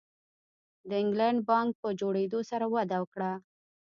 د انګلینډ بانک په جوړېدو سره وده وکړه.